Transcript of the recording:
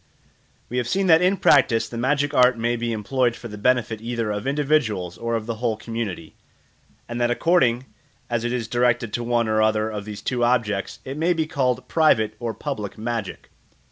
We have seen that in practice the magic art may be employed for the benefit either of individuals or of the whole community, and that according as it is directed to one or other of these two objects it may be called private or public magic.